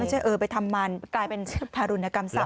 ไม่ใช่เออไปทำมันกลายเป็นธารุณกรรมศัพท์นะครับ